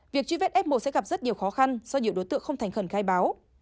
việc truy vết f một sẽ gặp rất nhiều khó khăn do nhiều đối tượng không thành khẩn khai báo